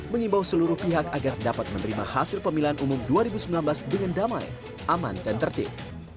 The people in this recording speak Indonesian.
mengimbau seluruh pihak agar dapat menerima hasil pemilihan umum dua ribu sembilan belas dengan damai aman dan tertib